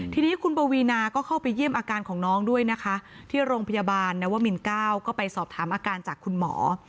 ทีนี้คุณปวีนาก็เข้าไปเยี่ยมอาการของน้องด้วยนะคะที่โรงพยาบาลนวมิน๙ก็ไปสอบถามอาการจากคุณหมอ